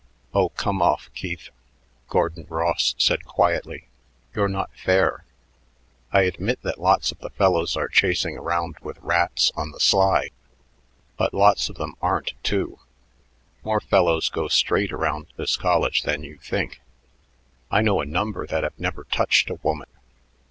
"Oh, come off, Keith," Gordon Ross said quietly; "you're not fair. I admit that lots of the fellows are chasing around with rats on the sly, but lots of them aren't, too. More fellows go straight around this college than you think. I know a number that have never touched a woman.